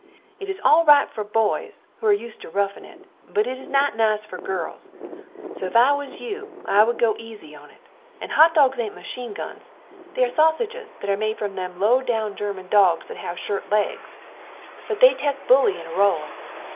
It is al rite fer boys who are used to ruffin it, but it is not nice fer girls so if I was you I wood go easy on it, and hot dogs aint machine guns, they are sausidges that are made from those low down german dogs that heve short legs, but say they test buly in a roll.